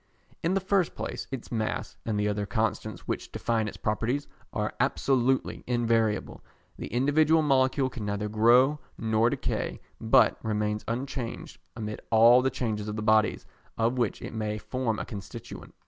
In the first place its mass, and the other constants which define its properties, are absolutely invariable; the individual molecule can neither grow nor decay, but remains unchanged amid all the changes of the bodies of which it may form a constituent.